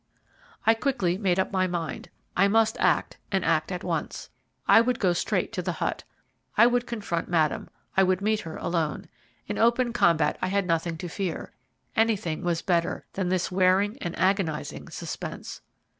I quickly made up my mind. I must act, and act at once. I would go straight to the hut; I would confront Madame; I would meet her alone. In open combat I had nothing to fear. Anything was better than this wearing and agonizing suspense.